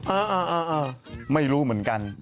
เออไม่รู้เหมือนกัน